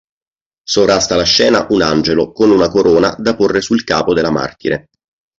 Sovrasta la scena un angelo con una corona da porre sul capo della martire.